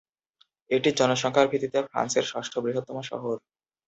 এটি জনসংখ্যার ভিত্তিতে ফ্রান্সের ষষ্ঠ বৃহত্তম শহর।